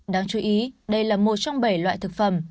đáng chú ý đây là một trong bảy loại thực phẩm